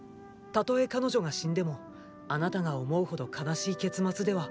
たとえ彼女が死んでもあなたが思うほど悲しい結末では。